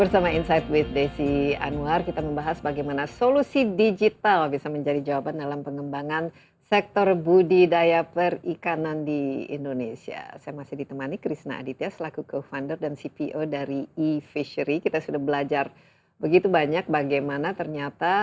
sampai jumpa di video selanjutnya